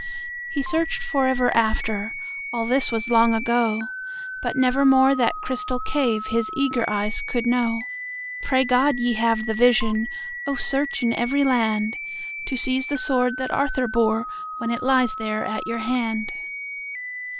He searched forever after(All this was long ago!)But nevermore that crystal caveHis eager eyes could know. Pray God ye have the vision(Oh, search in every land!)To seize the sword that Arthur boreWhen it lies at your hand.